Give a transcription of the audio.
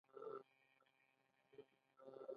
آیا چې بریالیتوب یې زموږ په ګټه نه دی؟